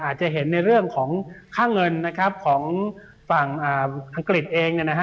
อาจจะเห็นในเรื่องของค่าเงินนะครับของฝั่งอังกฤษเอง